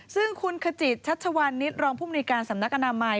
ซึ่งคุณขจิตชัชวานนิดรองผู้มนุยการสำนักอนามัย